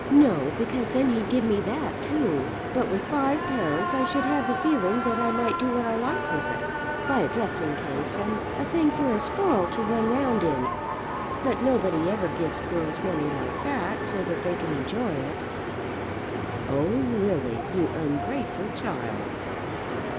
"No; because then he'd give me that too. But with five pounds I should have the feeling that I might do what I liked with it; buy a dressing case, and a thing for a squirrel to run round in. But nobody ever gives girls money like that, so that they can enjoy it." "Oh, Lily; you ungrateful child!"